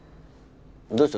どうした？